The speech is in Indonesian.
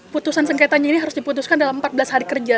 putusan sengketanya ini harus diputuskan dalam empat belas hari kerja